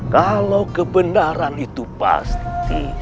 kalau kebenaran itu pasti